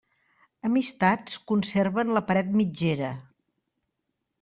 Amistats conserven la paret mitgera.